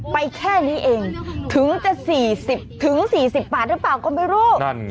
แค่นี้เองถึงจะ๔๐๔๐บาทหรือเปล่าก็ไม่รู้